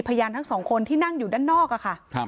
พยานทั้งสองคนที่นั่งอยู่ด้านนอกอะค่ะ